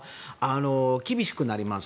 厳しくなります。